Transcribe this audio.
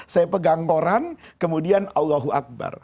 saya pegang koran kemudian allahu akbar